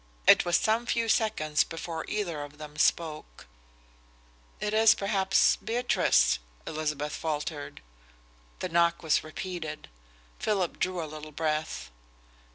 It was some few seconds before either of them spoke. "It's perhaps Beatrice," Elizabeth faltered. The knock was repeated. Philip drew a little breath.